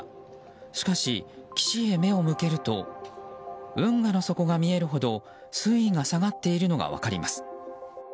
しかし、岸へ目を向けると運河の底が見えるほど水位が下がっているのが分かります。